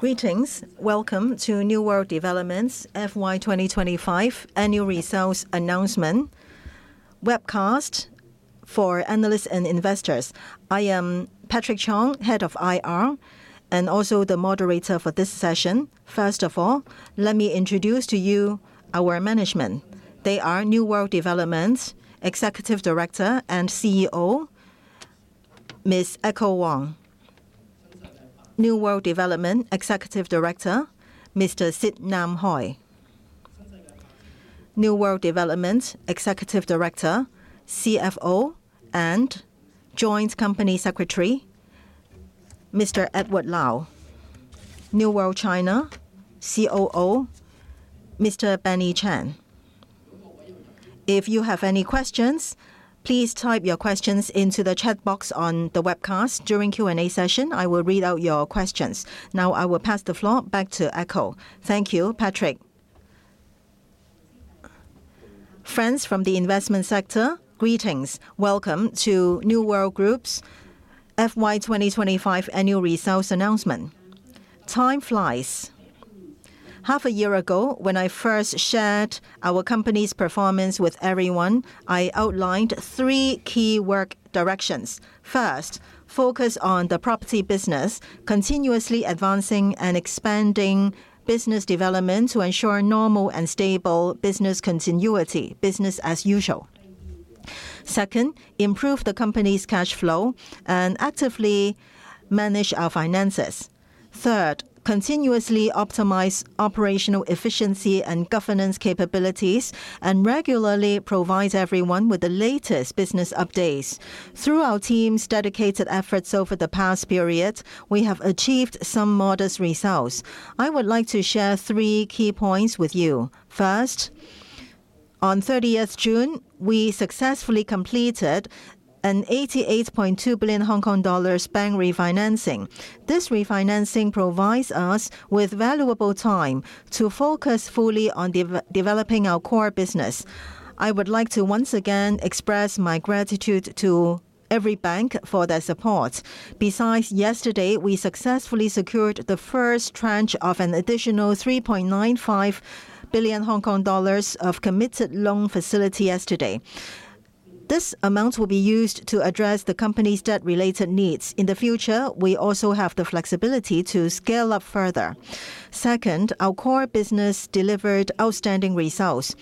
Greetings. Welcome to New World Development's FY 2025 Annual Results Announcement Webcast for Analysts and Investors. I am Patrick Chong, Head of IR, and also the moderator for this session. First of all, let me introduce to you our management. They are New World Development's Executive Director and CEO, Ms. Echo Huang. New World Development Executive Director, Mr. Sitt Nam Hoi. New World Development Executive Director, CFO, and Joint Company Secretary, Mr. Edward Lau. New World China COO, Mr. Benny Chan. If you have any questions, please type your questions into the chat box on the webcast. During the Q&A session, I will read out your questions. Now I will pass the floor back to Echo. Thank you, Patrick. Friends from the investment sector, greetings. Welcome to New World Group's FY 2025 Annual Results Announcement. Time flies. Half a year ago, when I first shared our company's performance with everyone, I outlined three key work directions. First, focus on the property business, continuously advancing and expanding business development to ensure normal and stable business continuity, business as usual. Second, improve the company's cash flow and actively manage our finances. Third, continuously optimize operational efficiency and governance capabilities, and regularly provide everyone with the latest business updates. Through our team's dedicated efforts over the past period, we have achieved some modest results. I would like to share three key points with you. First, on 30th June, we successfully completed an 88.2 billion Hong Kong dollars bank refinancing. This refinancing provides us with valuable time to focus fully on developing our core business. I would like to once again express my gratitude to every bank for their support. Besides, yesterday we successfully secured the first tranche of an additional 3.95 billion Hong Kong dollars of committed loan facility. This amount will be used to address the company's debt-related needs. In the future, we also have the flexibility to scale up further. Second, our core business delivered outstanding results.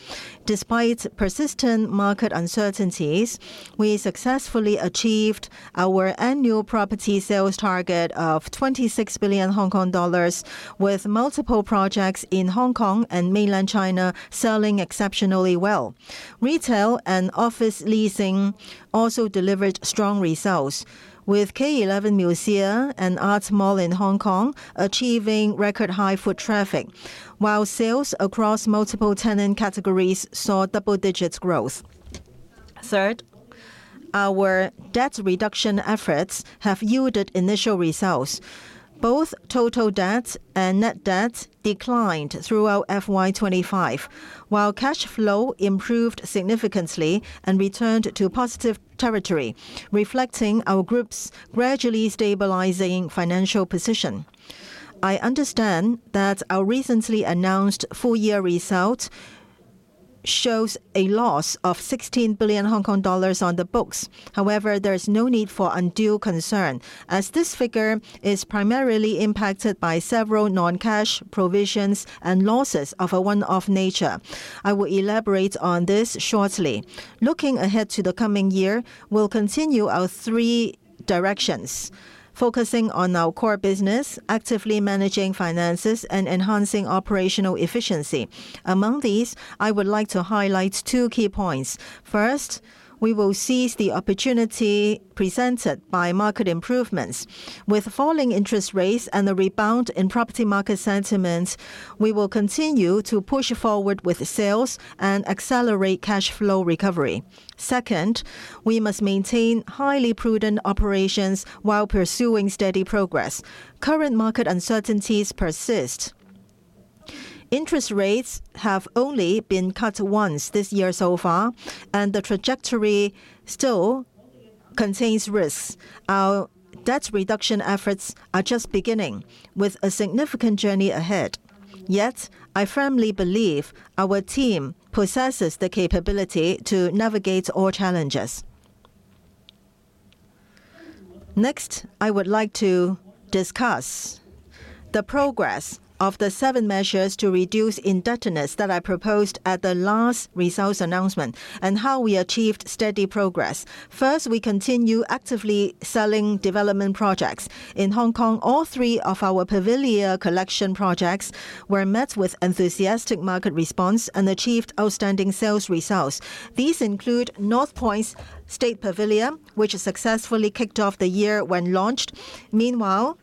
Despite persistent market uncertainties, we successfully achieved our annual property sales target of 26 billion Hong Kong dollars, with multiple projects in Hong Kong and mainland China selling exceptionally well. Retail and office leasing also delivered strong results, with K11 MUSEA and K11 Art Mall in Hong Kong achieving record-high foot traffic, while sales across multiple tenant categories saw double-digit growth. Third, our debt reduction efforts have yielded initial results. Both total debt and net debt declined throughout FY 2025, while cash flow improved significantly and returned to positive territory, reflecting our group's gradually stabilizing financial position. I understand that our recently announced full-year result shows a loss of 16 billion Hong Kong dollars on the books. However, there is no need for undue concern, as this figure is primarily impacted by several non-cash provisions and losses of a one-off nature. I will elaborate on this shortly. Looking ahead to the coming year, we'll continue our three directions, focusing on our core business, actively managing finances, and enhancing operational efficiency. Among these, I would like to highlight two key points. First, we will seize the opportunity presented by market improvements. With falling interest rates and a rebound in property market sentiment, we will continue to push forward with sales and accelerate cash flow recovery. Second, we must maintain highly prudent operations while pursuing steady progress. Current market uncertainties persist. Interest rates have only been cut once this year so far, and the trajectory still contains risks. Our debt reduction efforts are just beginning, with a significant journey ahead. Yet, I firmly believe our team possesses the capability to navigate all challenges. Next, I would like to discuss the progress of the seven measures to reduce indebtedness that I proposed at the last results announcement, and how we achieved steady progress. First, we continue actively selling development projects. In Hong Kong, all three of our Pavilia Collection projects were met with enthusiastic market response and achieved outstanding sales results. These include North Point State Pavilia, which successfully kicked off the year when launched. Meanwhile,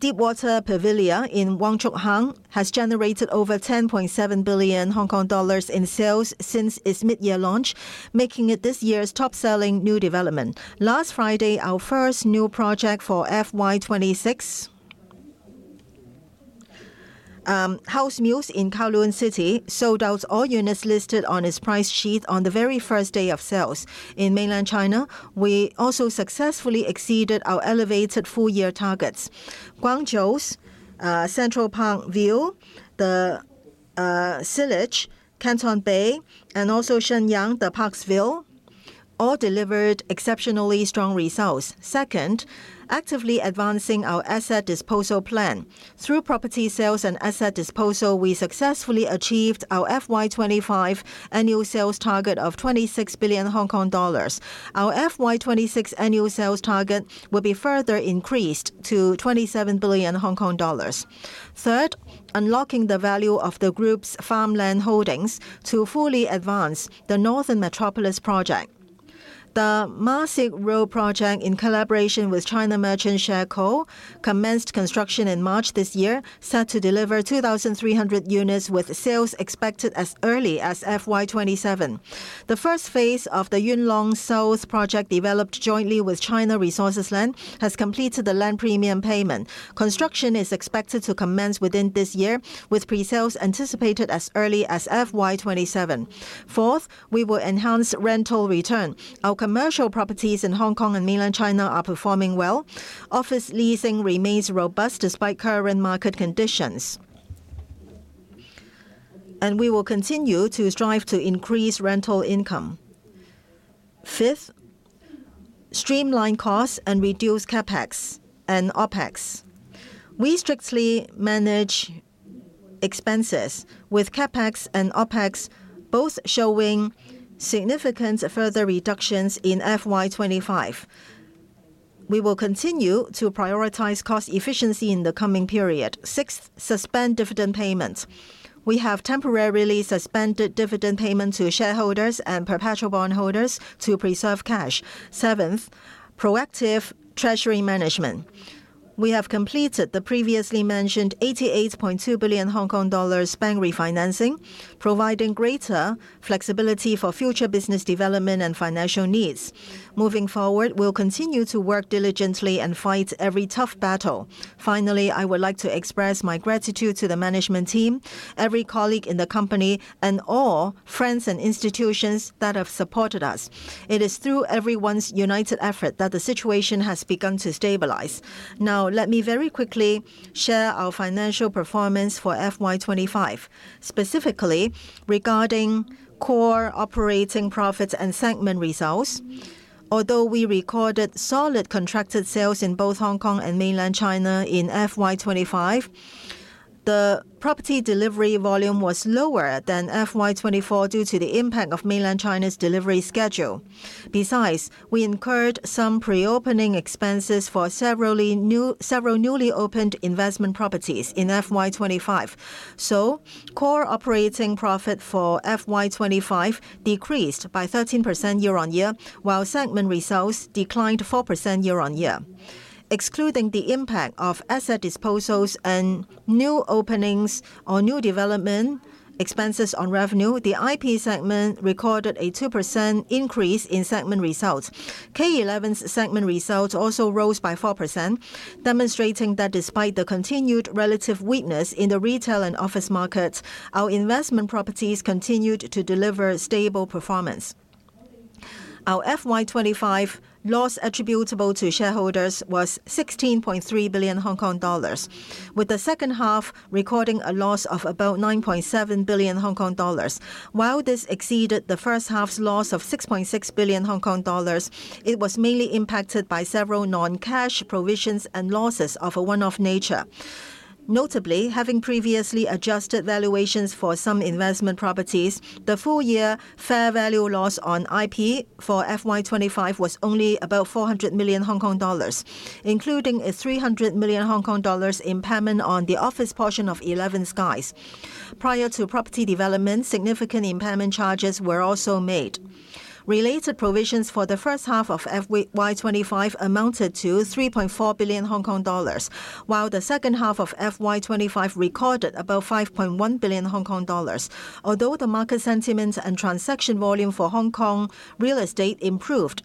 Deep Water Pavilia in Wong Chuk Hang has generated over 10.7 billion Hong Kong dollars in sales since its mid-year launch, making it this year's top-selling new development. Last Friday, our first new project for FY 26, House Muse in Kowloon City, sold out all units listed on its price sheet on the very first day of sales. In mainland China, we also successfully exceeded our elevated full-year targets. Guangzhou's Central Park-View, The Sillage, Canton Bay, and also Shenyang's The Parkville, all delivered exceptionally strong results. Second, actively advancing our asset disposal plan. Through property sales and asset disposal, we successfully achieved our FY 25 annual sales target of 26 billion Hong Kong dollars. Our FY 26 annual sales target will be further increased to 27 billion Hong Kong dollars. Third, unlocking the value of the group's farmland holdings to fully advance the Northern Metropolis project. The Ma Sik Road project, in collaboration with China Merchants Shekou, commenced construction in March this year, set to deliver 2,300 units, with sales expected as early as FY 27. The phase I of the Yuen Long South project, developed jointly with China Resources Land, has completed the land premium payment. Construction is expected to commence within this year, with pre-sales anticipated as early as FY 27. Fourth, we will enhance rental return. Our commercial properties in Hong Kong and mainland China are performing well. Office leasing remains robust despite current market conditions and we will continue to strive to increase rental income. Fifth, streamline costs and reduce CAPEX and OPEX. We strictly manage expenses, with CAPEX and OPEX both showing significant further reductions in FY 25. We will continue to prioritize cost efficiency in the coming period. Sixth, suspend dividend payments. We have temporarily suspended dividend payments to shareholders and perpetual bondholders to preserve cash. Seventh, proactive treasury management. We have completed the previously mentioned 88.2 billion Hong Kong dollars bank refinancing, providing greater flexibility for future business development and financial needs. Moving forward, we'll continue to work diligently and fight every tough battle. Finally, I would like to express my gratitude to the management team, every colleague in the company, and all friends and institutions that have supported us. It is through everyone's united effort that the situation has begun to stabilize. Now, let me very quickly share our financial performance for FY 2025, specifically regarding core operating profits and segment results. Although we recorded solid contracted sales in both Hong Kong and mainland China in FY 2025, the property delivery volume was lower than FY 2024 due to the impact of mainland China's delivery schedule. Besides, we incurred some pre-opening expenses for several newly opened investment properties in FY 2025. So, core operating profit for FY 2025 decreased by 13% year-on-year, while segment results declined 4% year-on-year. Excluding the impact of asset disposals and new openings or new development expenses on revenue, the IP segment recorded a 2% increase in segment results. K11's segment results also rose by 4%, demonstrating that despite the continued relative weakness in the retail and office markets, our investment properties continued to deliver stable performance. Our FY 2025 loss attributable to shareholders was HK$16.3 billion, with the second half recording a loss of about HK$9.7 billion. While this exceeded the first half's loss of HK$6.6 billion, it was mainly impacted by several non-cash provisions and losses of a one-off nature. Notably, having previously adjusted valuations for some investment properties, the full-year fair value loss on IP for FY 2025 was only about HK$400 million, including a HK$300 million impairment on the office portion of 11 SKIES. Prior to property development, significant impairment charges were also made. Related provisions for the first half of FY 2025 amounted to HK$3.4 billion, while the second half of FY 2025 recorded about HK$5.1 billion. Although the market sentiment and transaction volume for Hong Kong real estate improved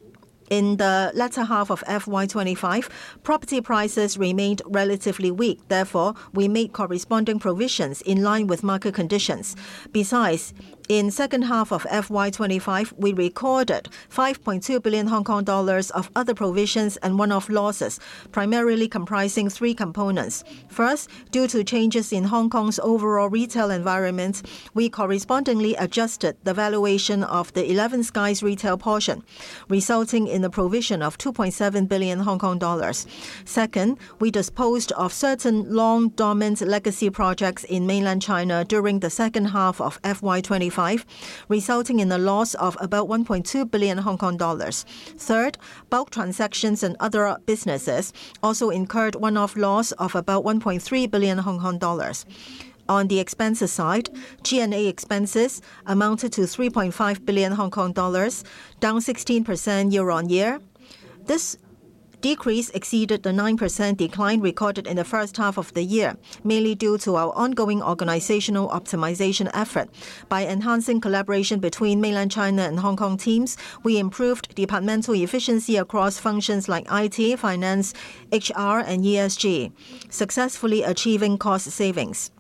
in the latter half of FY 2025, property prices remained relatively weak. Therefore, we made corresponding provisions in line with market conditions. Besides, in the second half of FY 2025, we recorded 5.2 billion Hong Kong dollars of other provisions and one-off losses, primarily comprising three components. First, due to changes in Hong Kong's overall retail environment, we correspondingly adjusted the valuation of the 11 SKIES retail portion, resulting in the provision of 2.7 billion Hong Kong dollars. Second, we disposed of certain long-dormant legacy projects in mainland China during the second half of FY 2025, resulting in the loss of about 1.2 billion Hong Kong dollars. Third, bulk transactions and other businesses also incurred one-off loss of about 1.3 billion Hong Kong dollars. On the expenses side, G&A expenses amounted to 3.5 billion Hong Kong dollars, down 16% year-on-year. This decrease exceeded the 9% decline recorded in the first half of the year, mainly due to our ongoing organizational optimization effort. By enhancing collaboration between mainland China and Hong Kong teams, we improved departmental efficiency across functions like IT, Finance, HR, and ESG, successfully achieving cost savings.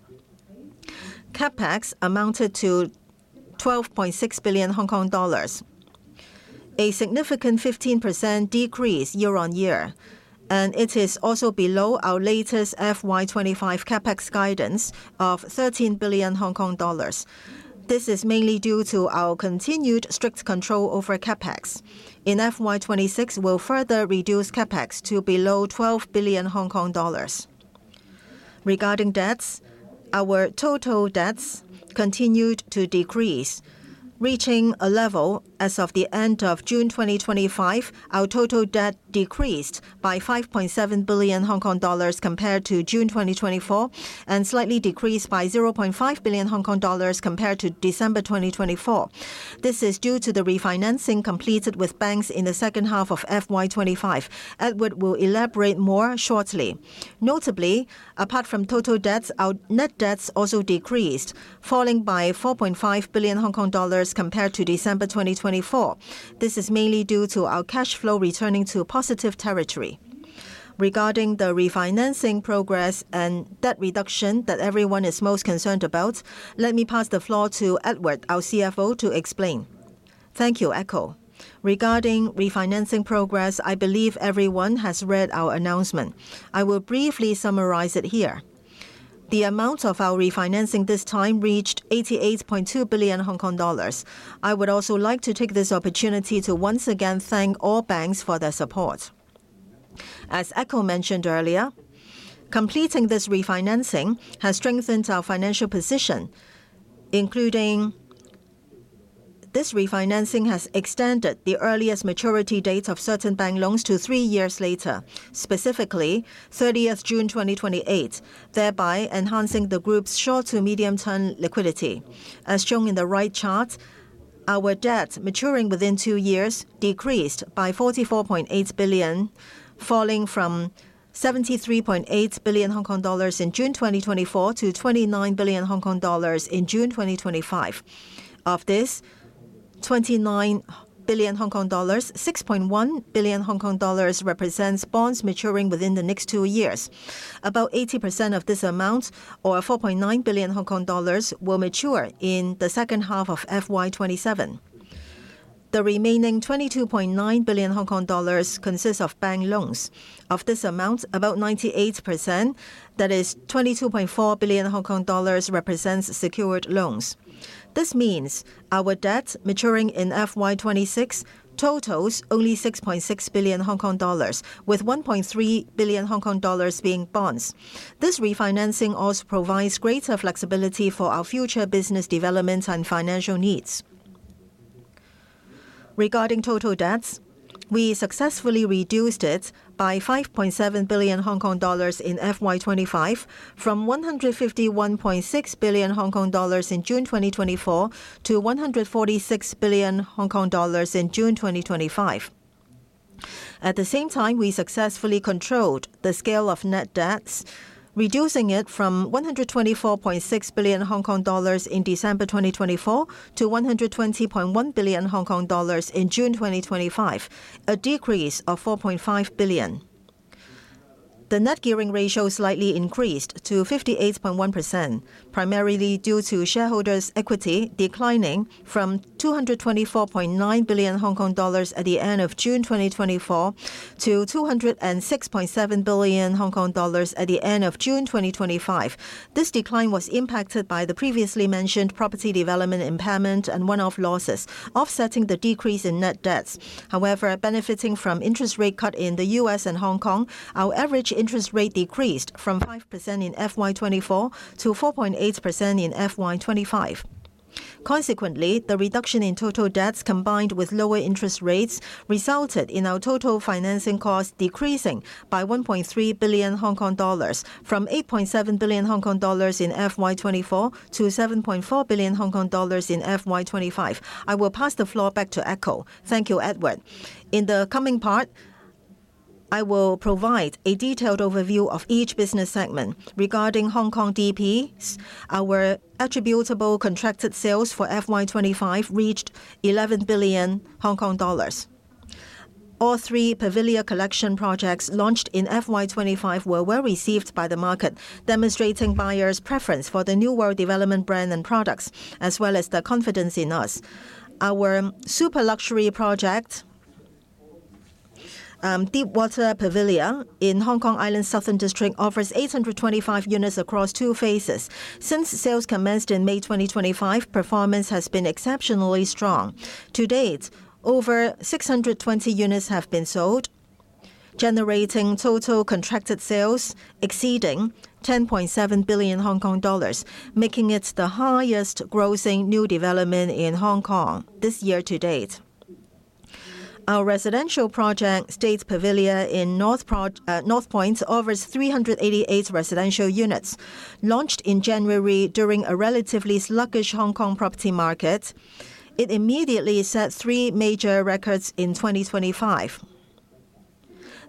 CAPEX amounted to 12.6 billion Hong Kong dollars, a significant 15% decrease year-on-year, and it is also below our latest FY 2025 CAPEX guidance of 13 billion Hong Kong dollars. This is mainly due to our continued strict control over CAPEX. In FY 2026, we'll further reduce CAPEX to below 12 billion Hong Kong dollars. Regarding debts, our total debts continued to decrease, reaching a level as of the end of June 2025. Our total debt decreased by 5.7 billion Hong Kong dollars compared to June 2024, and slightly decreased by 0.5 billion Hong Kong dollars compared to December 2024. This is due to the refinancing completed with banks in the second half of FY 2025. Edward will elaborate more shortly. Notably, apart from total debts, our net debts also decreased, falling by 4.5 billion Hong Kong dollars compared to December 2024. This is mainly due to our cash flow returning to positive territory. Regarding the refinancing progress and debt reduction that everyone is most concerned about, let me pass the floor to Edward, our CFO, to explain. Thank you, Echo. Regarding refinancing progress, I believe everyone has read our announcement. I will briefly summarize it here. The amount of our refinancing this time reached 88.2 billion Hong Kong dollars. I would also like to take this opportunity to once again thank all banks for their support. As Echo mentioned earlier, completing this refinancing has strengthened our financial position. Including this refinancing has extended the earliest maturity date of certain bank loans to three years later, specifically 30 June 2028, thereby enhancing the group's short to medium-term liquidity. As shown in the right chart, our debt maturing within two years decreased by 44.8 billion, falling from 73.8 billion Hong Kong dollars in June 2024 to 29 billion Hong Kong dollars in June 2025. Of this 29 billion Hong Kong dollars, 6.1 billion Hong Kong dollars represents bonds maturing within the next two years. About 80% of this amount, or 4.9 billion Hong Kong dollars, will mature in the second half of FY 27. The remaining 22.9 billion Hong Kong dollars consists of bank loans. Of this amount, about 98%, that is 22.4 billion Hong Kong dollars, represents secured loans. This means our debt maturing in FY 26 totals only 6.6 billion Hong Kong dollars, with 1.3 billion Hong Kong dollars being bonds. This refinancing also provides greater flexibility for our future business development and financial needs. Regarding total debts, we successfully reduced it by 5.7 billion Hong Kong dollars in FY 25, from 151.6 billion Hong Kong dollars in June 2024 to 146 billion Hong Kong dollars in June 2025. At the same time, we successfully controlled the scale of net debts, reducing it from HK$124.6 billion in December 2024 to HK$120.1 billion in June 2025, a decrease of HK$4.5 billion. The net gearing ratio slightly increased to 58.1%, primarily due to shareholders' equity declining from HK$224.9 billion at the end of June 2024 to HK$206.7 billion at the end of June 2025. This decline was impacted by the previously mentioned property development impairment and one-off losses, offsetting the decrease in net debts. However, benefiting from interest rate cuts in the U.S. and Hong Kong, our average interest rate decreased from 5% in FY 24 to 4.8% in FY 25. Consequently, the reduction in total debts, combined with lower interest rates, resulted in our total financing costs decreasing by HK$1.3 billion, from HK$8.7 billion in FY 24 to HK$7.4 billion in FY 25. I will pass the floor back to Echo. Thank you, Edward. In the coming part, I will provide a detailed overview of each business segment. Regarding Hong Kong DP, our attributable contracted sales for FY 25 reached 11 billion Hong Kong dollars. All three Pavilia Collection projects launched in FY 25 were well received by the market, demonstrating buyers' preference for the New World Development brand and products, as well as their confidence in us. Our super luxury project, Deepwater Pavilia in Hong Kong Island Southern District, offers 825 units across two phases. Since sales commenced in May 2025, performance has been exceptionally strong. To date, over 620 units have been sold, generating total contracted sales exceeding 10.7 billion Hong Kong dollars, making it the highest-grossing new development in Hong Kong this year to date. Our residential project, State Pavilia at North Point, offers 388 residential units. Launched in January during a relatively sluggish Hong Kong property market, it immediately set three major records in 2025.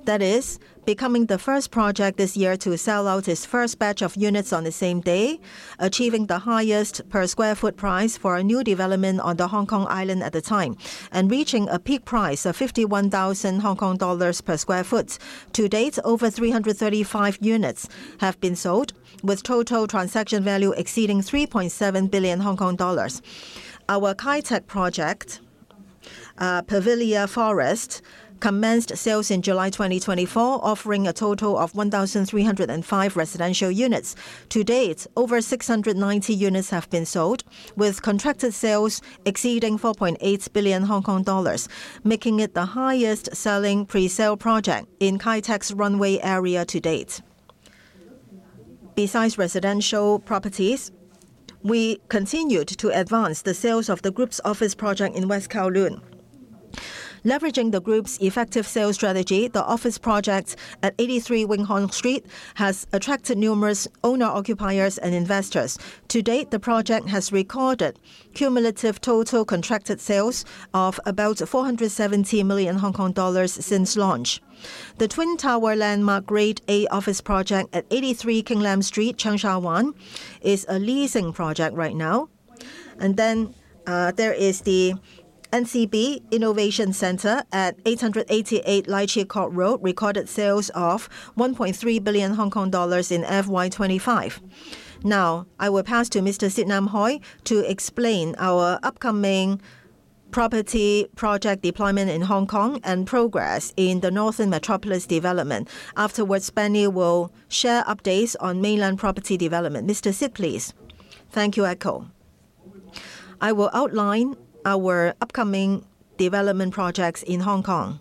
That is, becoming the first project this year to sell out its first batch of units on the same day, achieving the highest per sq ft price for a new development on Hong Kong Island at the time, and reaching a peak price of 51,000 Hong Kong dollars per sq ft. To date, over 335 units have been sold, with total transaction value exceeding 3.7 billion Hong Kong dollars. Our KaiTak project, Pavilia Forest, commenced sales in July 2024, offering a total of 1,305 residential units. To date, over 690 units have been sold, with contracted sales exceeding 4.8 billion Hong Kong dollars, making it the highest-selling pre-sale project in KaiTak's runway area to date. Besides residential properties, we continued to advance the sales of the group's office project in West Kowloon. Leveraging the group's effective sales strategy, the office project at 83 Wing Hong Street has attracted numerous owner-occupiers and investors. To date, the project has recorded a cumulative total contracted sales of about HK$470 million since launch. The Twin Tower Landmark Grade A office project at 83 King Lam Street, Cheung Sha Wan, is a leasing project right now. And then there is the NCB Innovation Centre at 888 Lai Chi Kok Road, recorded sales of HK$1.3 billion in FY 2025. Now, I will pass to Mr. Sitt Nam Hoi to explain our upcoming property project deployment in Hong Kong and progress in the Northern Metropolis Development. Afterwards, Benny will share updates on mainland property development. Mr. Sitt, please. Thank you, Echo. I will outline our upcoming development projects in Hong Kong.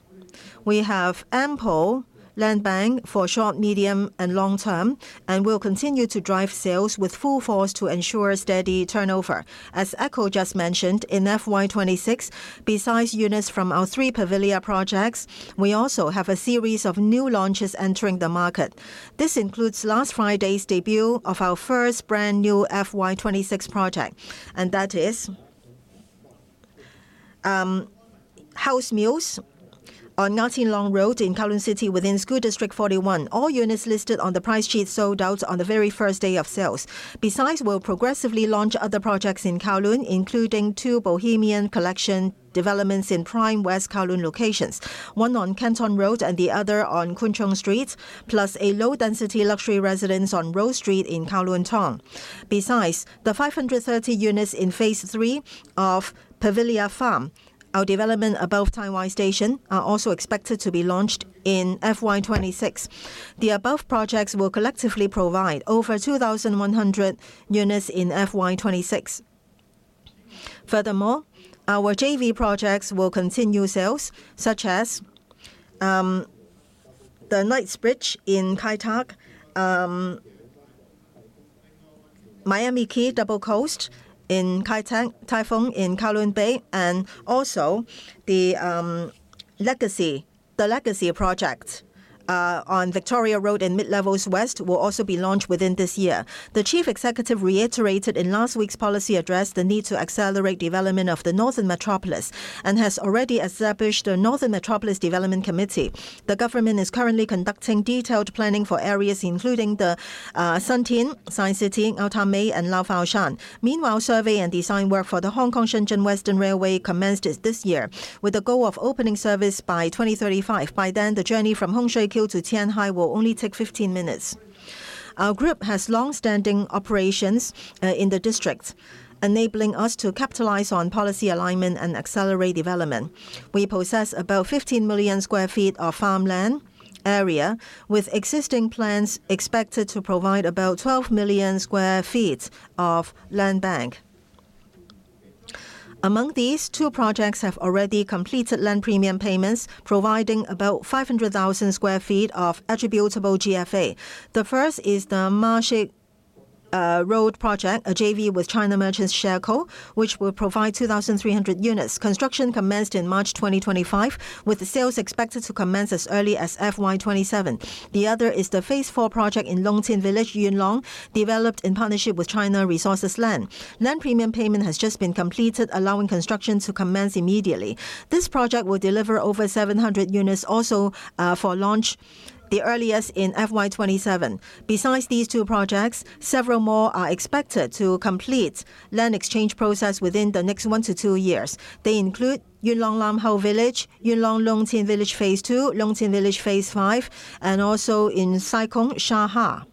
We have ample land bank for short, medium, and long term, and we'll continue to drive sales with full force to ensure steady turnover. As Echo just mentioned, in FY 26, besides units from our three Pavilia projects, we also have a series of new launches entering the market. This includes last Friday's debut of our first brand new FY 26 project, and that is House Muse on Nga Tsin Long Road in Kowloon City within Kowloon District 41. All units listed on the price sheet sold out on the very first day of sales. Besides, we'll progressively launch other projects in Kowloon, including two Bohemian Collection developments in prime West Kowloon locations, one on Canton Road and the other on Kwun Chung Street, plus a low-density luxury residence on Rose Street in Kowloon Tong. Besides, the 530 units in Phase III of Pavilia Farm, our development above Tai Wai Station, are also expected to be launched in FY 26. The above projects will collectively provide over 2,100 units in FY 26. Furthermore, our JV projects will continue sales, such as the Knightsbridge in Kai Tak, Miami Quay, Double Coast in Kai Tak, Tai Fung in Kowloon Bay, and also the Legacy Project on Victoria Road in Mid-Levels West will also be launched within this year. The Chief Executive reiterated in last week's policy address the need to accelerate development of the Northern Metropolis and has already established the Northern Metropolis Development Committee. The government is currently conducting detailed planning for areas including the San Tin, Sai Kung, Ngau Tam Mei, and Lau Fau Shan. Meanwhile, survey and design work for the Hong Kong-Shenzhen Western Railway commenced this year, with the goal of opening service by 2035. By then, the journey from Hung Shui Kiu to Qianhai will only take 15 minutes. Our group has long-standing operations in the district, enabling us to capitalize on policy alignment and accelerate development. We possess about 15 million sq ft of farmland area, with existing plans expected to provide about 12 million sq ft of land bank. Among these, two projects have already completed land premium payments, providing about 500,000 sq ft of attributable GFA. The first is the Ma Sik Road project, a JV with China Merchants Shekou, which will provide 2,300 units. Construction commenced in March 2025, with sales expected to commence as early as FY 27. The other is the PhaseIV project in Long Tin Tsuen, Yuen Long, developed in partnership with China Resources Land. Land premium payment has just been completed, allowing construction to commence immediately. This project will deliver over 700 units also for launch, the earliest in FY 27. Besides these two projects, several more are expected to complete land exchange process within the next one to two years. They include Yuen Long Lam Hau Tsuen, Yuen Long Long Tin Tsuen Phase II, Long Tin Tsuen Phase V, and also in Sai Kung, Sha Ha,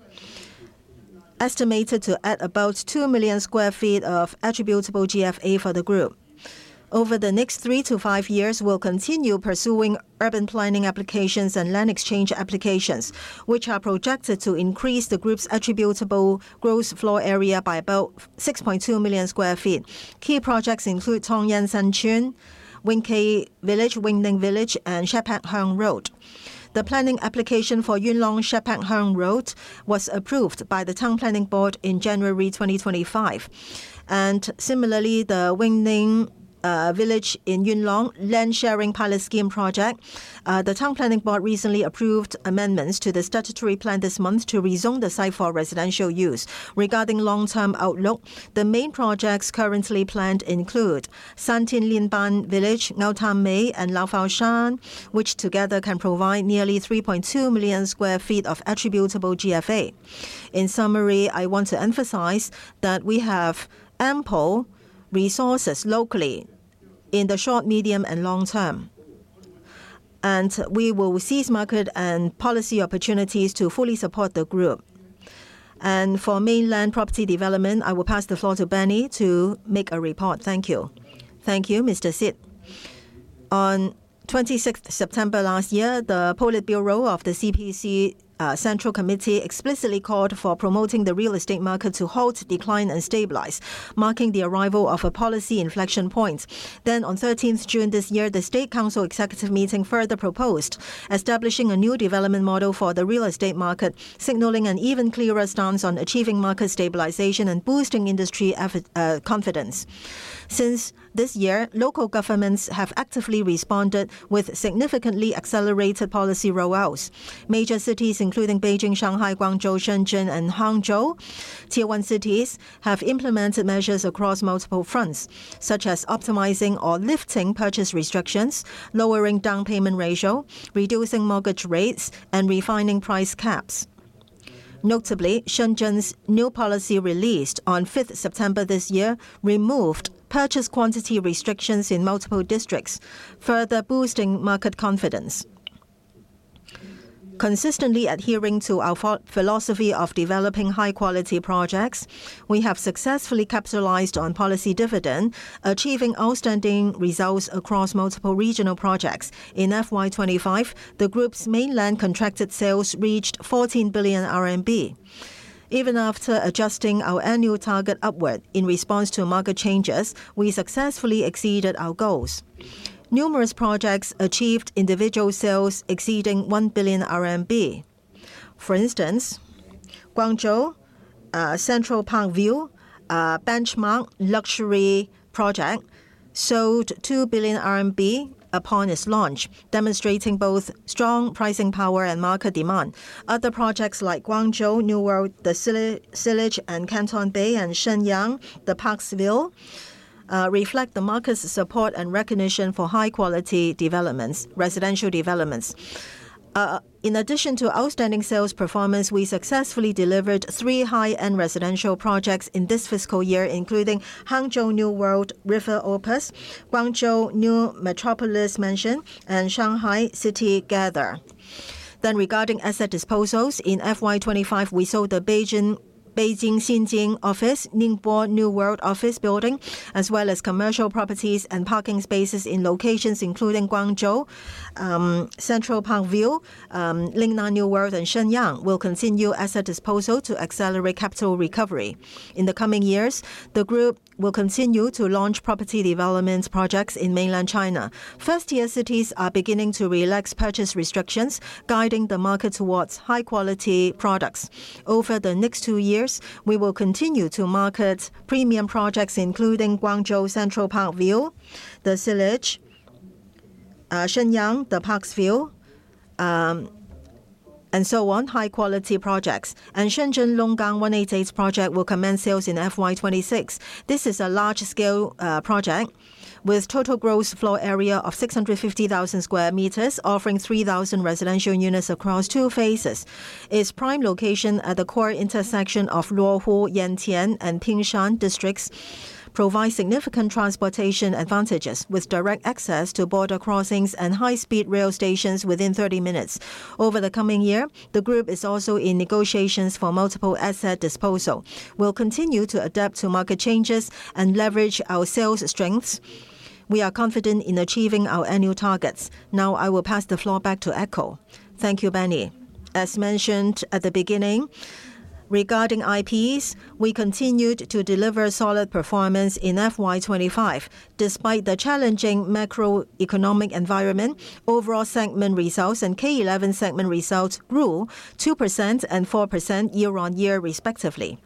estimated to add about 2 million sq ft of attributable GFA for the group. Over the next three to five years, we'll continue pursuing urban planning applications and land exchange applications, which are projected to increase the group's attributable gross floor area by about 6.2 million sq ft. Key projects include Tong Yan San Tsuen, Wing Kei Tsuen, Wing Ning Tsuen, and Shap Pat Heung Road. The planning application for Yuen Long Shap Pat Heung Road was approved by the Town Planning Board in January 2025, and similarly, the Wing Ning Tsuen in Yuen Long Land Sharing Pilot Scheme project, the Town Planning Board recently approved amendments to the statutory plan this month to resume the site for residential use. Regarding long-term outlook, the main projects currently planned include San Tin Lin Barn Tsuen, Ngau Tam Mei, and Lau Fau Shan, which together can provide nearly 3.2 million sq ft of attributable GFA. In summary, I want to emphasize that we have ample resources locally in the short, medium, and long term, and we will seize market and policy opportunities to fully support the group. For mainland property development, I will pass the floor to Benny to make a report. Thank you. .Thank you, Mr. Sitt. On 26 September last year, the Politburo of the CPC Central Committee explicitly called for promoting the real estate market to halt, decline, and stabilize, marking the arrival of a policy inflection point. Then, on 13 June this year, the State Council Executive Meeting further proposed establishing a new development model for the real estate market, signaling an even clearer stance on achieving market stabilization and boosting industry confidence. Since this year, local governments have actively responded with significantly accelerated policy rollouts. Major cities, including Beijing, Shanghai, Guangzhou, Shenzhen, and Hangzhou, Tier 1 cities, have implemented measures across multiple fronts, such as optimizing or lifting purchase restrictions, lowering down payment ratio, reducing mortgage rates, and refining price caps. Notably, Shenzhen's new policy released on 5 September this year removed purchase quantity restrictions in multiple districts, further boosting market confidence. Consistently adhering to our philosophy of developing high-quality projects, we have successfully capitalized on policy dividend, achieving outstanding results across multiple regional projects. In FY 25, the group's mainland contracted sales reached 14 billion RMB. Even after adjusting our annual target upward in response to market changes, we successfully exceeded our goals. Numerous projects achieved individual sales exceeding 1 billion RMB. For instance, Guangzhou Central Park-View Benchmark Luxury Project sold 2 billion RMB upon its launch, demonstrating both strong pricing power and market demand. Other projects like Guangzhou New World, The Sillage and Canton Bay, and Shenyang The Parkville reflect the market's support and recognition for high-quality residential developments. In addition to outstanding sales performance, we successfully delivered three high-end residential projects in this fiscal year, including Hangzhou River Opus, Guangzhou New Metropolis Mansion, and Shanghai City Gather. Regarding asset disposals, in FY 25, we sold the Beijing Xinjiang Office, Ningbo New World Office building, as well as commercial properties and parking spaces in locations including Guangzhou Central Park-View, Lingnan New World, and Shenyang. We'll continue asset disposal to accelerate capital recovery. In the coming years, the group will continue to launch property development projects in mainland China. First-tier cities are beginning to relax purchase restrictions, guiding the market towards high-quality products. Over the next two years, we will continue to market premium projects including Guangzhou Central Park-View, The Sillage, Shenyang The Parkville, and so on, high-quality projects. Shenzhen Longgang 188 project will commence sales in FY 26. This is a large-scale project with total gross floor area of 650,000 sq m, offering 3,000 residential units across two phases. Its prime location at the core intersection of Luohu, Yantian, and Pingshan districts provides significant transportation advantages, with direct access to border crossings and high-speed rail stations within 30 minutes. Over the coming year, the group is also in negotiations for multiple asset disposal. We'll continue to adapt to market changes and leverage our sales strengths. We are confident in achieving our annual targets. Now, I will pass the floor back to Echo. Thank you, Benny. As mentioned at the beginning, regarding IPs, we continued to deliver solid performance in FY 2025. Despite the challenging macroeconomic environment, overall segment results and K11 segment results grew 2% and 4% year-on-year, respectively.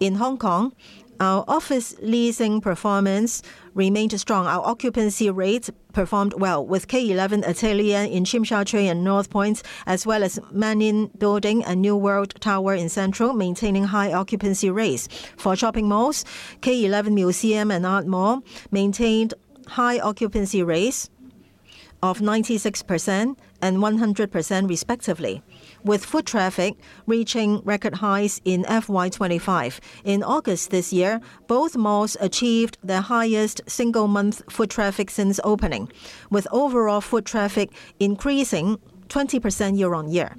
In Hong Kong, our office leasing performance remained strong. Our occupancy rates performed well, with K11 ATELIER in Tsim Sha Tsui and North Point, as well as Manning Building and New World Tower in Central, maintaining high occupancy rates. For shopping malls, K11 MUSEA and K11 Art Mall maintained high occupancy rates of 96% and 100%, respectively, with foot traffic reaching record highs in FY 2025. In August this year, both malls achieved the highest single-month foot traffic since opening, with overall foot traffic increasing 20% year-on-year.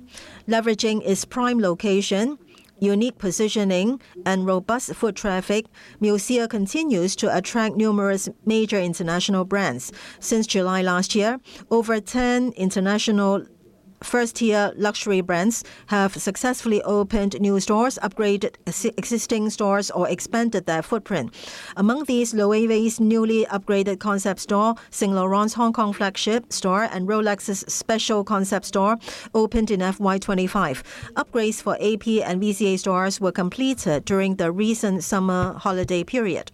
Leveraging its prime location, unique positioning, and robust foot traffic, Musea continues to attract numerous major international brands. Since July last year, over 10 international first-tier luxury brands have successfully opened new stores, upgraded existing stores, or expanded their footprint. Among these, Loewe's newly upgraded concept store, Saint Laurent's Hong Kong flagship store, and Rolex's special concept store opened in FY 2025. Upgrades for AP and VCA stores were completed during the recent summer holiday period.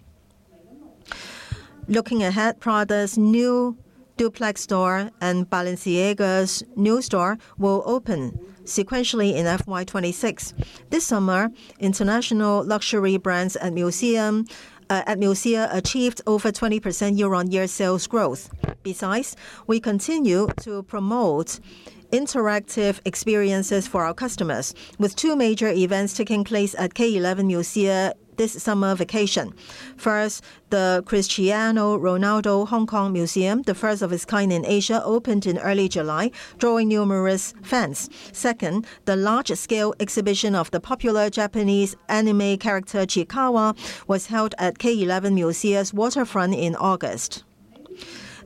Looking ahead, Prada's new duplex store and Balenciaga's new store will open sequentially in FY 26. This summer, international luxury brands at MUSEA achieved over 20% year-on-year sales growth. Besides, we continue to promote interactive experiences for our customers, with two major events taking place at K11 MUSEA this summer vacation. First, the Cristiano Ronaldo Hong Kong Museum, the first of its kind in Asia, opened in early July, drawing numerous fans. Second, the large-scale exhibition of the popular Japanese anime character Chikawa was held at K11 MUSEA's waterfront in August.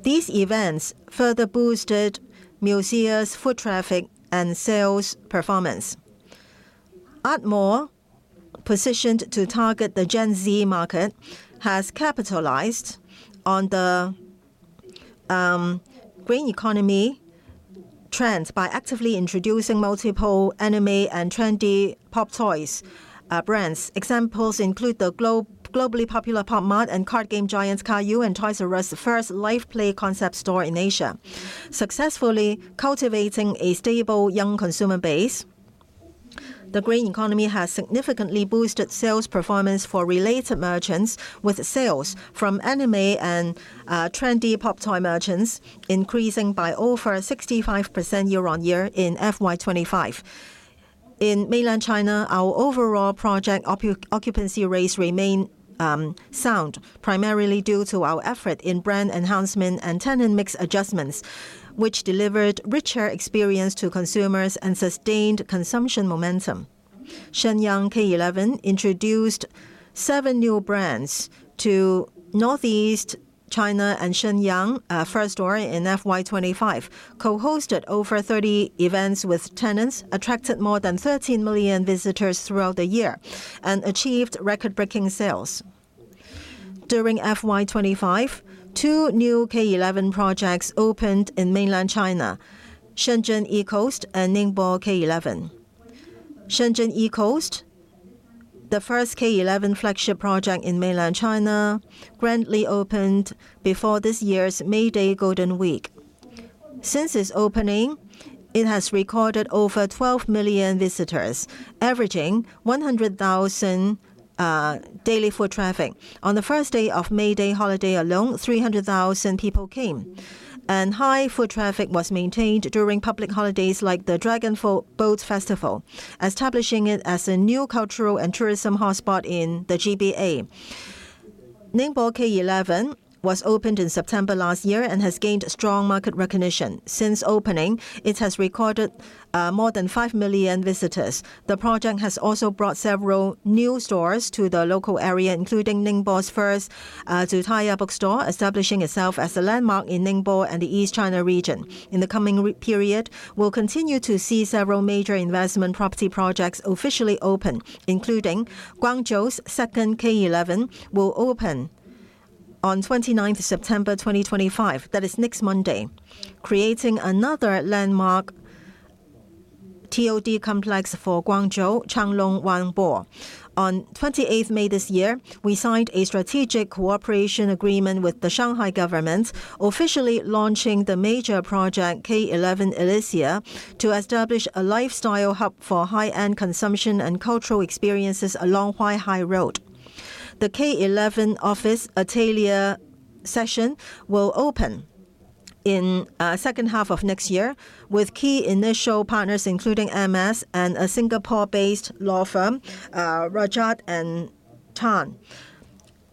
These events further boosted MUSEA's foot traffic and sales performance. Art Mall, positioned to target the Gen Z market, has capitalized on the green economy trend by actively introducing multiple anime and trendy pop toys brands. Examples include the globally popular POP MART and card game giants Kayou and Toys "R" Us, the first live-play concept store in Asia. Successfully cultivating a stable young consumer base, the green economy has significantly boosted sales performance for related merchants, with sales from anime and trendy pop toy merchants increasing by over 65% year-on-year in FY 2025. In mainland China, our overall project occupancy rates remain sound, primarily due to our effort in brand enhancement and tenant mix adjustments, which delivered richer experience to consumers and sustained consumption momentum. Shenyang K11 introduced seven new brands to Northeast China and Shenyang First Store in FY 2025, co-hosted over 30 events with tenants, attracted more than 13 million visitors throughout the year, and achieved record-breaking sales. During FY 2025, two new K11 projects opened in mainland China: Shenzhen K11 ECOAST and Ningbo K11. Shenzhen K11 ECOAST, the first K11 flagship project in mainland China, grandly opened before this year's May Day Golden Week. Since its opening, it has recorded over 12 million visitors, averaging 100,000 daily foot traffic. On the first day of May Day holiday alone, 300,000 people came, and high foot traffic was maintained during public holidays like the Dragon Boat Festival, establishing it as a new cultural and tourism hotspot in the GBA. Ningbo K11 was opened in September last year and has gained strong market recognition. Since opening, it has recorded more than 5 million visitors. The project has also brought several new stores to the local area, including Ningbo's first Tsutaya Bookstore, establishing itself as a landmark in Ningbo and the East China region. In the coming period, we'll continue to see several major investment property projects officially open, including Guangzhou's second K11, which will open on 29 September 2025, that is next Monday, creating another landmark TOD complex for Guangzhou, Chimelong-Wanbo. On 28 May this year, we signed a strategic cooperation agreement with the Shanghai government, officially launching the major project K11 Elysea to establish a lifestyle hub for high-end consumption and cultural experiences along Huaihai Road. The K11 office ATELIER section will open in the second half of next year, with key initial partners including MS and a Singapore-based law firm, Rajah & Tann.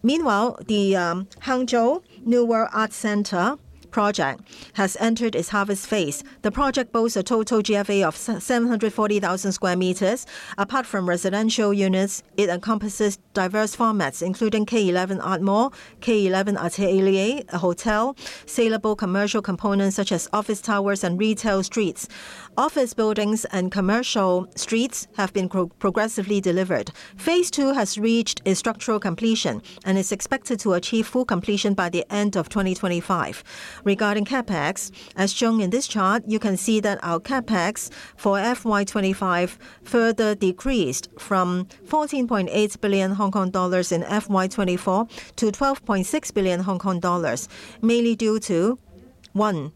Meanwhile, the Hangzhou New World Arts Centre project has entered its harvest phase. The project boasts a total GFA of 740,000 square meters. Apart from residential units, it encompasses diverse formats, including K11 Art Mall, K11 ATELIER, a hotel, saleable commercial components such as office towers and retail streets. Office buildings and commercial streets have been progressively delivered. Phase II has reached its structural completion and is expected to achieve full completion by the end of 2025. Regarding CAPEX, as shown in this chart, you can see that our CAPEX for FY 25 further decreased from 14.8 billion Hong Kong dollars in FY 24 to 12.6 billion Hong Kong dollars, mainly due to: One,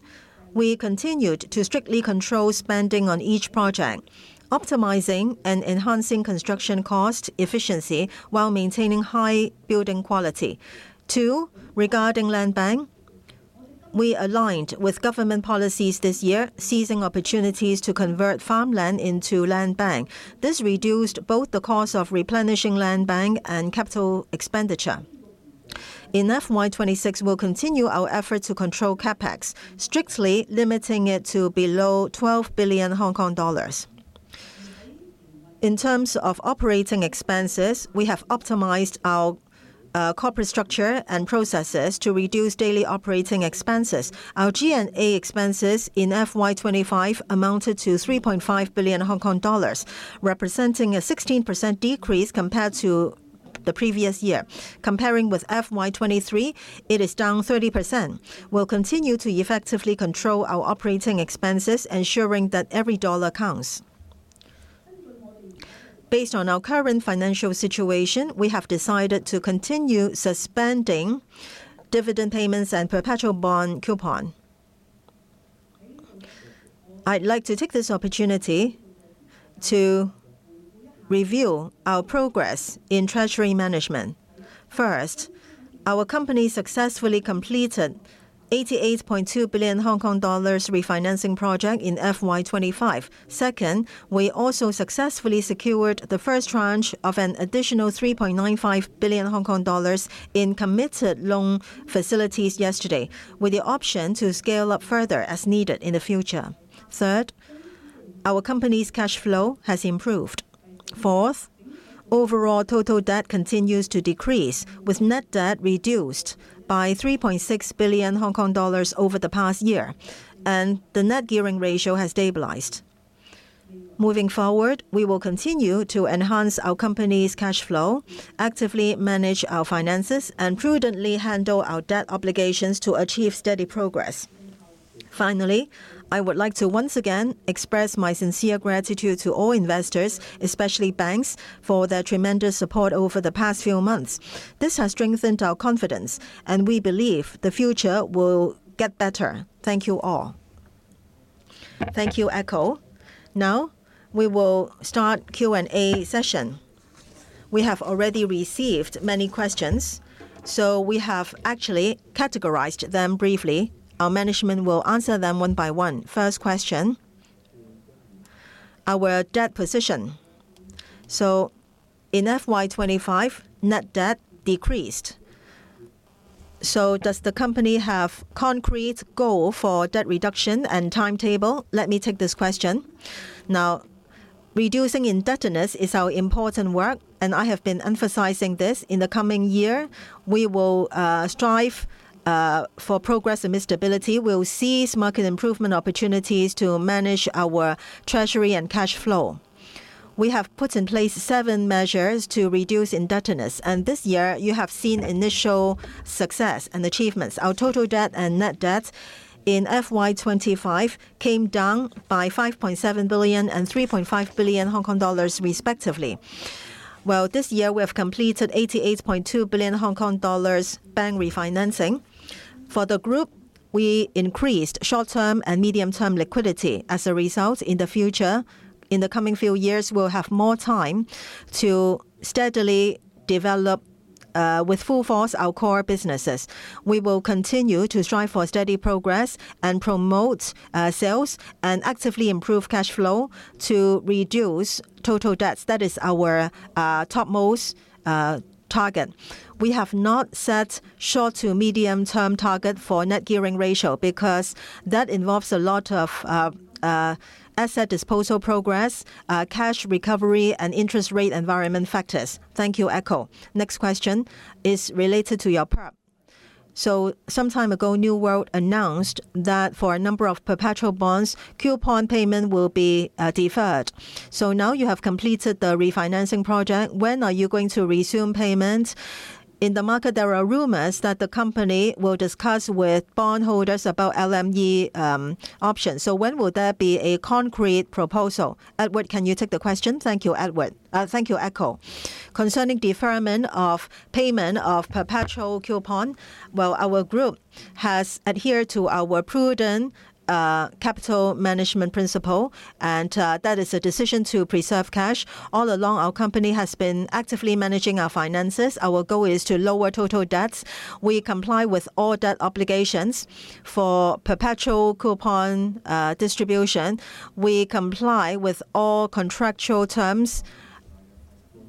we continued to strictly control spending on each project, optimizing and enhancing construction cost efficiency while maintaining high building quality. Two, regarding land bank, we aligned with government policies this year, seizing opportunities to convert farmland into land bank. This reduced both the cost of replenishing land bank and capital expenditure. In FY 26, we'll continue our effort to control CapEx, strictly limiting it to below 12 billion Hong Kong dollars. In terms of operating expenses, we have optimized our corporate structure and processes to reduce daily operating expenses. Our G&A expenses in FY 25 amounted to 3.5 billion Hong Kong dollars, representing a 16% decrease compared to the previous year. Comparing with FY 23, it is down 30%. We'll continue to effectively control our operating expenses, ensuring that every dollar counts. Based on our current financial situation, we have decided to continue suspending dividend payments and perpetual bond coupon. I'd like to take this opportunity to reveal our progress in treasury management. First, our company successfully completed an 88.2 billion Hong Kong dollars refinancing project in FY 25. Second, we also successfully secured the first tranche of an additional 3.95 billion Hong Kong dollars in committed loan facilities yesterday, with the option to scale up further as needed in the future. Third, our company's cash flow has improved. Fourth, overall total debt continues to decrease, with net debt reduced by 3.6 billion Hong Kong dollars over the past year, and the net gearing ratio has stabilized. Moving forward, we will continue to enhance our company's cash flow, actively manage our finances, and prudently handle our debt obligations to achieve steady progress. Finally, I would like to once again express my sincere gratitude to all investors, especially banks, for their tremendous support over the past few months. This has strengthened our confidence, and we believe the future will get better. Thank you all. Thank you, Echo. Now, we will start the Q&A session. We have already received many questions, so we have actually categorized them briefly. Our management will answer them one by one. First question: our debt position. So, in FY 2025, net debt decreased. So, does the company have a concrete goal for debt reduction and timetable? Let me take this question. Now, reducing indebtedness is our important work, and I have been emphasizing this. In the coming year, we will strive for progress and stability. We'll seize market improvement opportunities to manage our treasury and cash flow. We have put in place seven measures to reduce indebtedness, and this year, you have seen initial success and achievements. Our total debt and net debt in FY 2025 came down by 5.7 billion and 3.5 billion Hong Kong dollars, respectively. Well, this year, we have completed 88.2 billion Hong Kong dollars bank refinancing. For the group, we increased short-term and medium-term liquidity. As a result, in the future, in the coming few years, we'll have more time to steadily develop with full force our core businesses. We will continue to strive for steady progress and promote sales and actively improve cash flow to reduce total debt. That is our topmost target. We have not set short- to medium-term targets for net gearing ratio because that involves a lot of asset disposal progress, cash recovery, and interest rate environment factors. Thank you, Echo. Next question is related to your PEP. So, some time ago, New World announced that for a number of perpetual bonds, coupon payments will be deferred. So now you have completed the refinancing project. When are you going to resume payments? In the market, there are rumors that the company will discuss with bondholders about LME options. So when will there be a concrete proposal? Edward, can you take the question? Thank you, Edward. Thank you, Echo. Concerning deferment of payment of perpetual coupon, well, our group has adhered to our prudent capital management principle, and that is a decision to preserve cash. All along, our company has been actively managing our finances. Our goal is to lower total debts. We comply with all debt obligations for perpetual coupon distribution. We comply with all contractual terms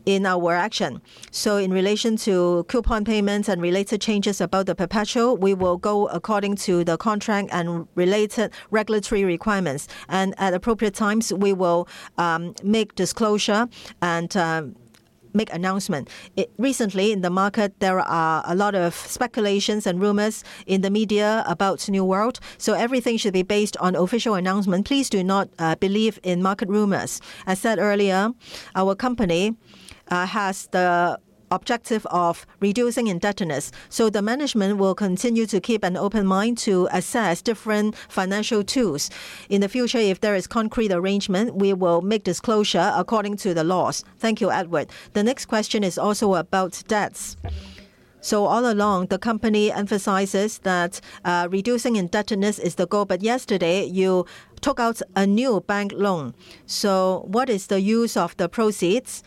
in our action. So, in relation to coupon payments and related changes about the perpetual, we will go according to the contract and related regulatory requirements, and at appropriate times, we will make disclosure and make announcement. Recently, in the market, there are a lot of speculations and rumors in the media about New World. So everything should be based on official announcement. Please do not believe in market rumors. As said earlier, our company has the objective of reducing indebtedness. So the management will continue to keep an open mind to assess different financial tools. In the future, if there is concrete arrangement, we will make disclosure according to the laws. Thank you, Edward. The next question is also about debts. So all along, the company emphasizes that reducing indebtedness is the goal. But yesterday, you took out a new bank loan. So what is the use of the proceeds?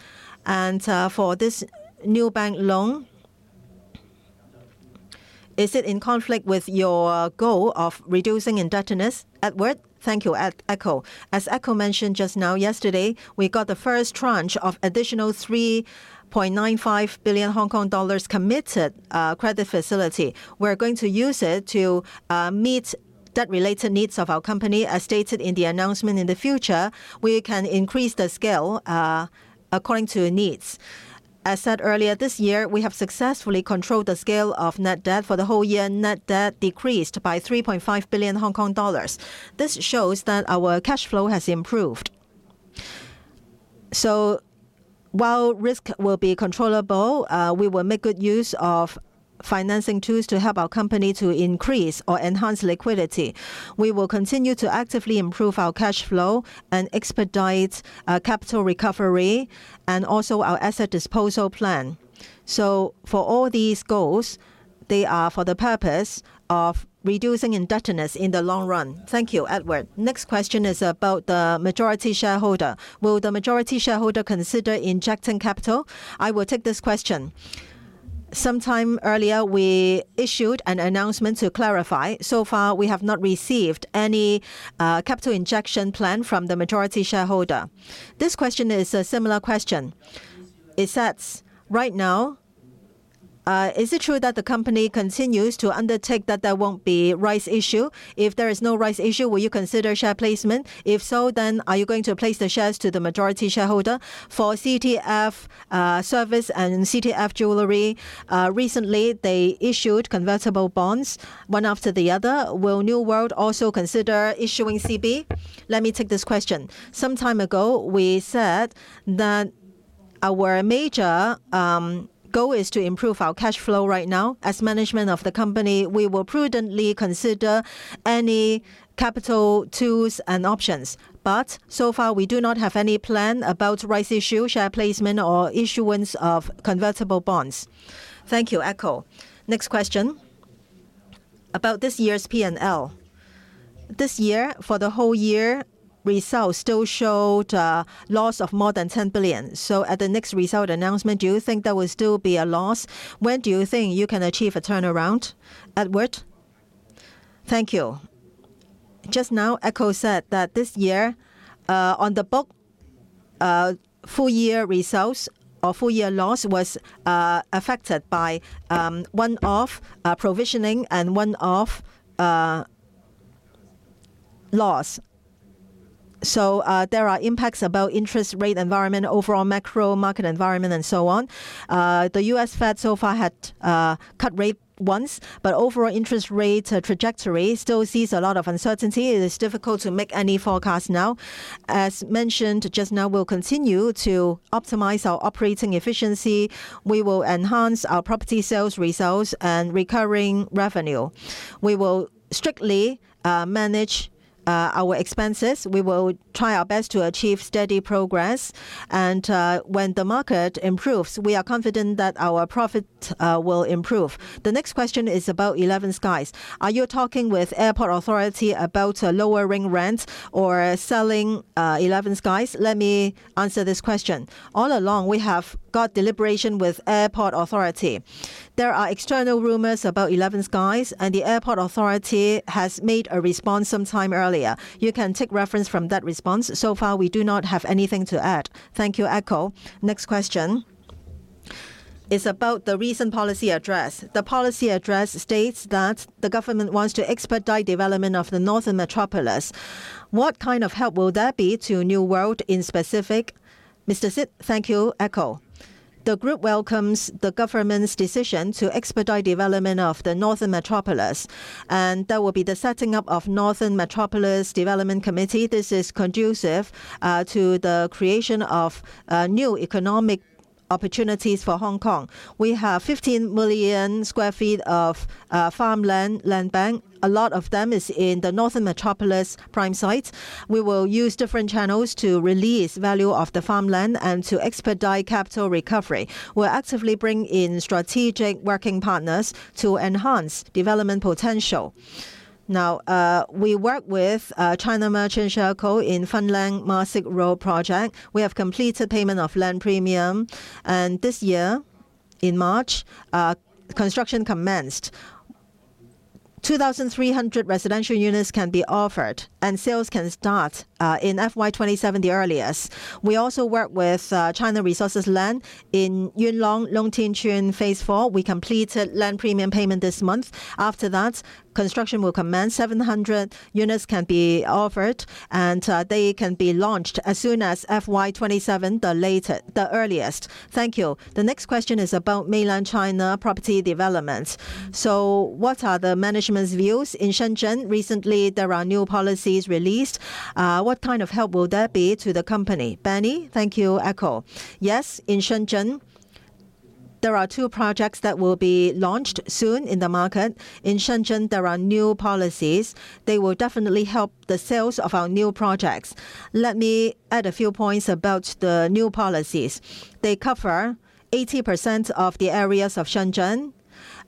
And for this new bank loan, is it in conflict with your goal of reducing indebtedness? Edward. Thank you, Echo. As Echo mentioned just now, yesterday, we got the first tranche of additional 3.95 billion Hong Kong dollars committed credit facility. We're going to use it to meet debt-related needs of our company. As stated in the announcement, in the future, we can increase the scale according to needs. As said earlier, this year, we have successfully controlled the scale of net debt. For the whole year, net debt decreased by 3.5 billion Hong Kong dollars. This shows that our cash flow has improved. So, while risk will be controllable. We will make good use of financing tools to help our company to increase or enhance liquidity. We will continue to actively improve our cash flow and expedite capital recovery and also our asset disposal plan. So for all these goals, they are for the purpose of reducing indebtedness in the long run.. Thank you, Edward. Next question is about the majority shareholder. Will the majority shareholder consider injecting capital? I will take this question. Sometime earlier, we issued an announcement to clarify. So far, we have not received any capital injection plan from the majority shareholder. This question is a similar question. It says right now, is it true that the company continues to undertake that there won't be rights issue? If there is no rights issue, will you consider share placement? If so, then are you going to place the shares to the majority shareholder? For CTF Enterprises and CTF Jewellery, recently, they issued convertible bonds one after the other. Will New World also consider issuing CB? Let me take this question. Some time ago, we said that our major goal is to improve our cash flow right now. As management of the company, we will prudently consider any capital tools and options. But so far, we do not have any plan about rights issue, share placement, or issuance of convertible bonds. Thank you, Echo. Next question about this year's P&L. This year, for the whole year, results still showed loss of more than HK$10 billion. So at the next result announcement, do you think there will still be a loss? When do you think you can achieve a turnaround? Edward? Thank you. Just now, Echo said that this year, on the book, full year results or full year loss was affected by one-off provisioning and one-off loss. So there are impacts about interest rate environment, overall macro market environment, and so on. The U.S. Fed so far had cut rate once, but overall interest rate trajectory still sees a lot of uncertainty. It is difficult to make any forecast now. As mentioned just now, we'll continue to optimize our operating efficiency. We will enhance our property sales results and recurring revenue. We will strictly manage our expenses. We will try our best to achieve steady progress. And when the market improves, we are confident that our profit will improve. The next question is about Eleven Skies. Are you talking with Airport Authority about lowering rents or selling Eleven Skies? Let me answer this question. All along, we have got deliberations with Airport Authority. There are external rumors about Eleven Skies, and the Airport Authority has made a response some time earlier. You can take reference from that response. So far, we do not have anything to add. Thank you, Echo. Next question is about the recent policy address. The policy address states that the government wants to expedite development of the Northern Metropolis. What kind of help will there be to New World in specific? Mr. Sitt? Thank you, Echo. The group welcomes the government's decision to expedite development of the Northern Metropolis, and that will be the setting up of Northern Metropolis Development Committee. This is conducive to the creation of new economic opportunities for Hong Kong. We have 15 million sq ft of farmland land bank. A lot of them is in the Northern Metropolis prime sites. We will use different channels to release value of the farmland and to expedite capital recovery. We'll actively bring in strategic working partners to enhance development potential. Now, we work with China Merchants Shekou in Fanling Ma Sik Road project. We have completed payment of land premium, and this year, in March, construction commenced. 2,300 residential units can be offered, and sales can start in FY 27 the earliest. We also work with China Resources Land in Yuen Long, Long Tin Tsuen, Phase IV. We completed land premium payment this month. After that, construction will commence. 700 units can be offered, and they can be launched as soon as FY 27 the earliest. Thank you. The next question is about Mainland China property development. So what are the management's views? In Shenzhen, recently, there are new policies released. What kind of help will there be to the company? Benny? Thank you, Echo. Yes, in Shenzhen, there are two projects that will be launched soon in the market. In Shenzhen, there are new policies. They will definitely help the sales of our new projects. Let me add a few points about the new policies. They cover 80% of the areas of Shenzhen.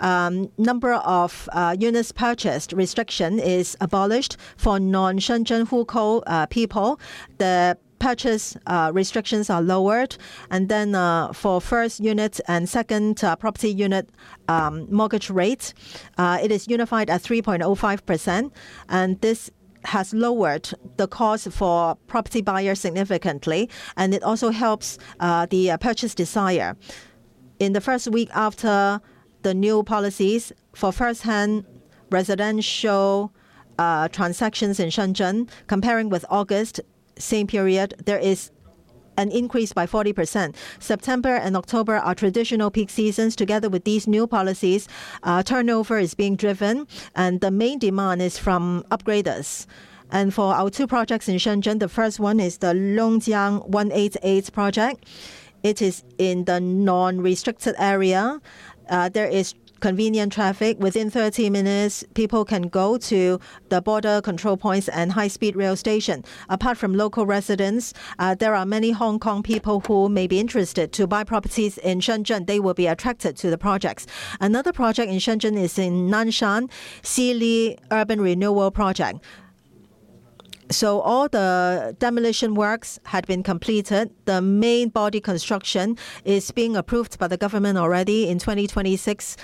Number of units purchased restriction is abolished for non-Shenzhen Hukou people. The purchase restrictions are lowered. And then for first unit and second property unit mortgage rates, it is unified at 3.05%, and this has lowered the cost for property buyers significantly, and it also helps the purchase desire. In the first week after the new policies for first-hand residential transactions in Shenzhen, comparing with August, same period, there is an increase by 40%. September and October are traditional peak seasons. Together with these new policies, turnover is being driven, and the main demand is from upgraders. And for our two projects in Shenzhen, the first one is the Longgang 188 project. It is in the non-restricted area. There is convenient traffic. Within 30 minutes, people can go to the border control points and high-speed rail station. Apart from local residents, there are many Hong Kong people who may be interested to buy properties in Shenzhen. They will be attracted to the projects. Another project in Shenzhen is in Nanshan, Xili Urban Renewal Project. So all the demolition works had been completed. The main body construction is being approved by the government already. In 2026,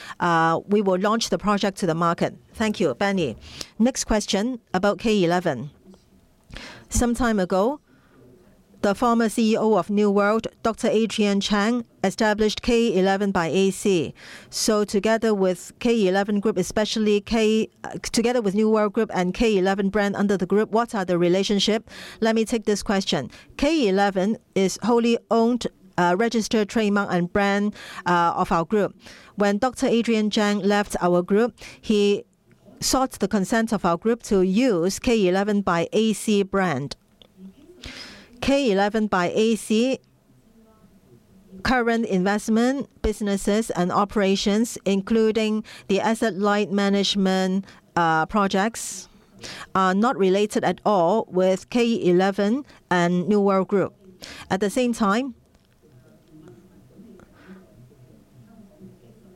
we will launch the project to the market. Thank you, Benny. Next question about K11. Some time ago, the former CEO of New World, Dr. Adrian Cheng established K11 by AC. So together with K11 Group, especially together with New World Group and K11 brand under the group, what are the relationships? Let me take this question. K11 is wholly owned, registered trademark and brand of our group. When Dr. Adrian Cheng left our group, he sought the consent of our group to use K11 by AC brand. K11 by AC's current investment businesses and operations, including the asset-light management projects, are not related at all with K11 and New World Group. At the same time,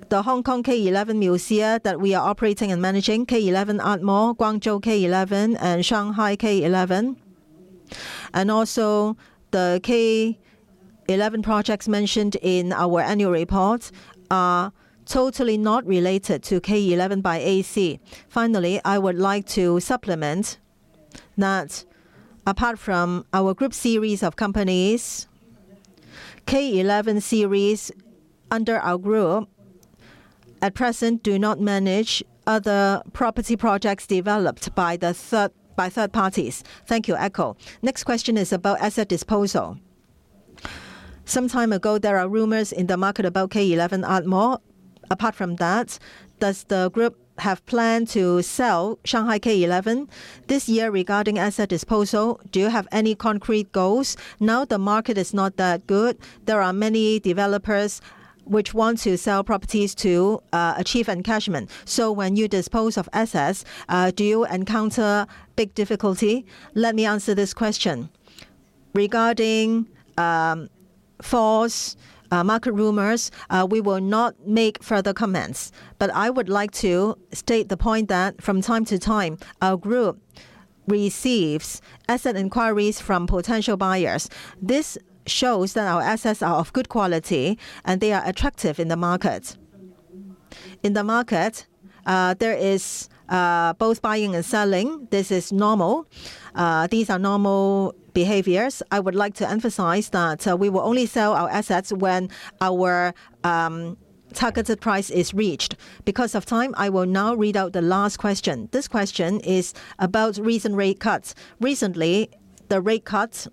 the Hong Kong K11 MUSEA that we are operating and managing, K11 Art Mall, Guangzhou K11, and Shanghai K11, and also the K11 projects mentioned in our annual report are totally not related to K11 by AC. Finally, I would like to supplement that apart from our group series of companies, K11 series under our group at present do not manage other property projects developed by third parties. Thank you, Echo. Next question is about asset disposal. Some time ago, there are rumors in the market about K11 Art Mall. Apart from that, does the group have planned to sell Shanghai K11? This year, regarding asset disposal, do you have any concrete goals? Now the market is not that good. There are many developers which want to sell properties to achieve encashment. So when you dispose of assets, do you encounter big difficulty? Let me answer this question. Regarding false market rumors, we will not make further comments. But I would like to state the point that from time to time, our group receives asset inquiries from potential buyers. This shows that our assets are of good quality and they are attractive in the market. In the market, there is both buying and selling. This is normal. These are normal behaviors. I would like to emphasize that we will only sell our assets when our targeted price is reached. Because of time, I will now read out the last question.. This question is about recent rate cuts. Recently, the rate cuts,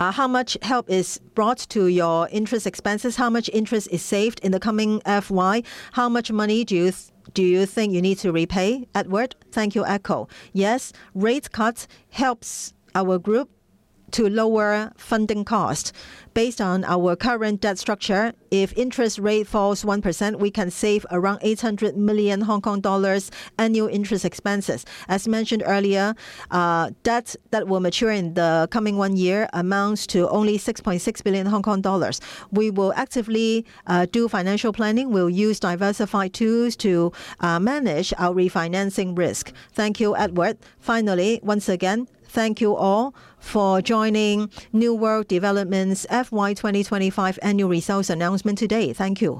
how much help is brought to your interest expenses? How much interest is saved in the coming FY? How much money do you think you need to repay? Edward. Thank you, Echo. Yes, rate cuts help our group to lower funding costs. Based on our current debt structure, if interest rate falls 1%, we can save around 800 million Hong Kong dollars annual interest expenses. As mentioned earlier, debt that will mature in the coming one year amounts to only 6.6 billion Hong Kong dollars. We will actively do financial planning. We'll use diversified tools to manage our refinancing risk. Thank you, Edward. Finally, once again, thank you all for joining New World Development's FY 2025 annual results announcement today. Thank you.